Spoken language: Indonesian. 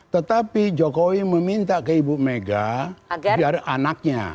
tetapi jokowi meminta ke ibu mega biar anaknya